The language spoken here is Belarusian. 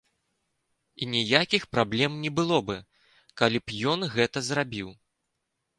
І ніякіх праблем не было бы, калі б ён гэта зрабіў.